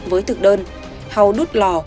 với thực đơn hàu đút lò